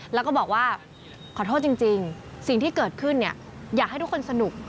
แล้วก็บอกว่าขอโทษจริงสิ่งที่เกิดขึ้นอยากให้ทุกคนสนุก